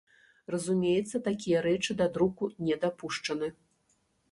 Разумеецца, такія рэчы да друку не дапушчаны.